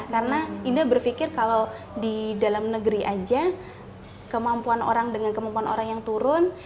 karena indah berpikir kalau di dalam negeri aja kemampuan orang dengan kemampuan orang yang turun